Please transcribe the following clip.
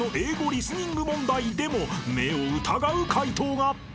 リスニング問題でも目を疑う解答が］